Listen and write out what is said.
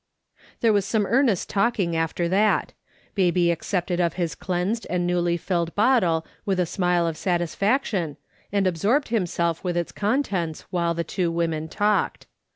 There Avas some earnest talking after that ; baby accepted of his cleansed and newly filled bottle with a smile of satisfaction, and absorbed himself with its contents, while the two women talked.